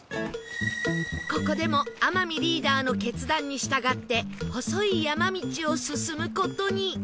ここでも天海リーダーの決断に従って細い山道を進む事に